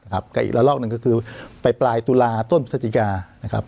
กับอีกละลอกหนึ่งก็คือไปปลายตุลาต้นพฤศจิกานะครับ